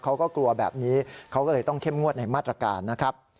เขาก็กลัวแบบนี้เขาก็เลยต้องเข้มงวดในมาตรการนะครับ